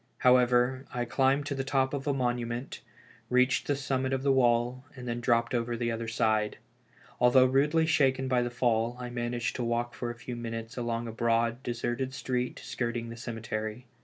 However, I climbed to the top of a monument, reached the summit of the wall, and then dropped over the other side. Although rudely shaken by the fall, I managed to walk for a few minutes along a broad, deserted street skirting the cemetery.